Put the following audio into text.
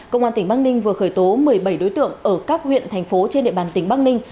công an tỉnh bắc ninh vừa khởi tố một mươi bảy đối tượng ở các huyện thành phố trên địa bàn tỉnh bắc ninh